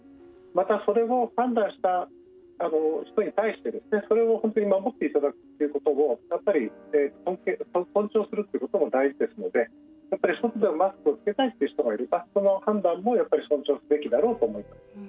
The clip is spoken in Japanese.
また、それを判断した人に対してそれを本当に守っていただくということもやっぱり尊重するということも大事ですので外でもマスクをつけたいっていう人がいればその判断も尊重すべきだろうと思います。